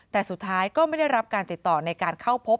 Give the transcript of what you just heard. แต่สุดท้ายก็ไม่ได้รับการติดต่อในการเข้าพบ